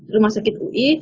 rumah sakit ui